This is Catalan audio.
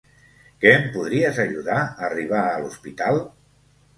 Que em podries ajudar a arribar a l'hospital?